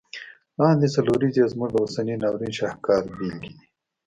لاندي څلوریځي یې زموږ د اوسني ناورین شاهکاري بیلګي دي.